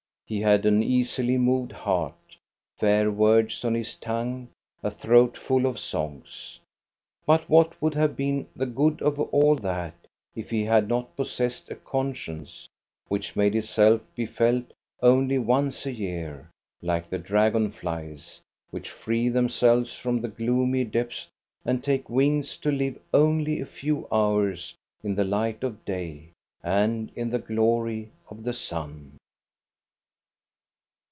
He had an easily moved heart, fair words on his tongue, a throat full of songs. But what would have been the good of all that if he had not possessed a conscience, which made itself be felt only once a year, like the dragon flies, which free themselves from the gloomy depths and take wings to live only a few hours in the light of day and in the glory of the sun?